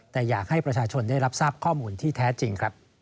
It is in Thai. แต่อยากให้ประชาชนได้รับทราบข้อมูลที่แท้จริงครับ